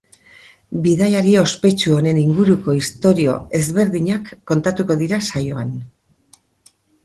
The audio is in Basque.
Bidaiari ospetsu honen inguruko istorio ezberdinak kontatuko dira saioan.